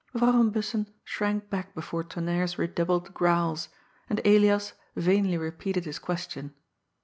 Mevrouw van Bussen shrank back before Tonnerre's re doubled growls, and Elias vainly repeated his question.